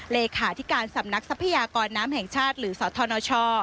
เลขาธิการสำนักทรัพยากรน้ำแห่งชาติหรือสธนช